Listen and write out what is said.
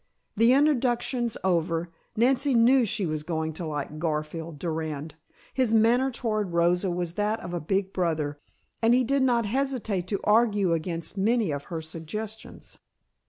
The introductions over, Nancy knew she was going to like Garfield Durand. His manner toward Rosa was that of a big brother, and he did not hesitate to argue against many of her suggestions.